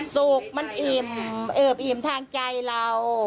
สุขมันอิ่มทางใจเรา